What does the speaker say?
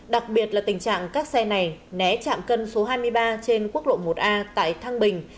đặc biệt là tình trạng các xe này né chạm cân số hai mươi ba trên quốc lộ một a tại thăng bình